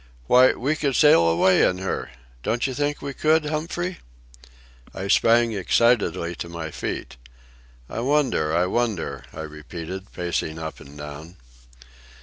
Why we could sail away in her. Don't you think we could, Humphrey?" I sprang excitedly to my feet. "I wonder, I wonder," I repeated, pacing up and down.